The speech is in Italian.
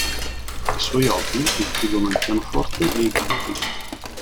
I suoi hobby includono il pianoforte e i gatti.